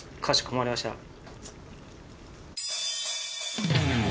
かしこまりました。